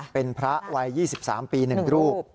เป็นพระวัย๒๓ปี๑รูป